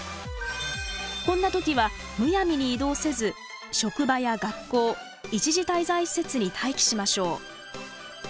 こんな時はむやみに移動せず職場や学校一時滞在施設に待機しましょう。